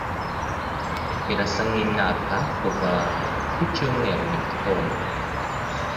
Birasa nkimyaka kuva ku cyumweru mugitondo